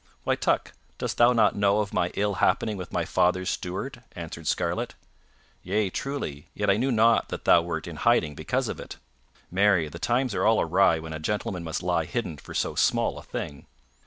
"Why, Tuck, dost thou not know of my ill happening with my father's steward?" answered Scarlet. "Yea, truly, yet I knew not that thou wert in hiding because of it. Marry, the times are all awry when a gentleman must lie hidden for so small a thing."